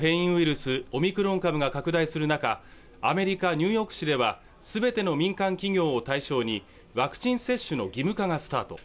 スオミクロン株が拡大する中アメリカ・ニューヨーク市ではすべての民間企業を対象にワクチン接種の義務化がスタート